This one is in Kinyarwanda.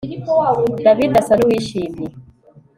David asa nuwishimye